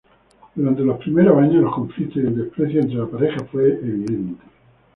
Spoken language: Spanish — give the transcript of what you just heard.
Durante los primeros años, los conflictos y el desprecio entre la pareja fue evidente.